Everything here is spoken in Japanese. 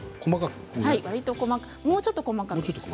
もうちょっと細かく。